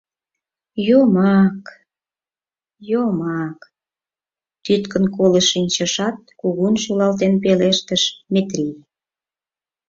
— Йомак, йомак... — тӱткын колышт шинчышат, кугун шӱлалтен пелештыш Метрий.